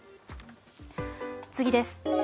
次です。